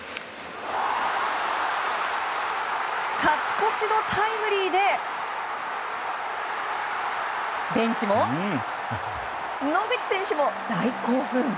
勝ち越しのタイムリーでベンチも野口選手も大興奮。